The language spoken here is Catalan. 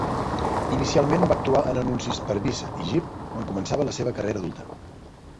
Inicialment va actuar en anuncis per Visa i Jeep quan començava la seva carrera adulta.